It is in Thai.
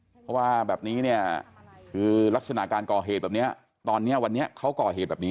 เพราะว่าแบบนี้เนี่ยคือลักษณะการก่อเหตุแบบนี้ตอนนี้วันนี้เขาก่อเหตุแบบนี้